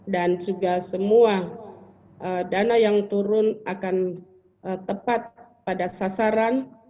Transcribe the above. dan juga semua dana yang turun akan tepat pada sasaran